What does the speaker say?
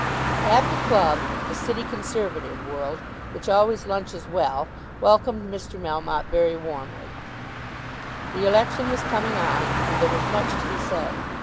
At the club, the City Conservative world, which always lunches well, welcomed Mr. Melmotte very warmly. The election was coming on, and there was much to be said.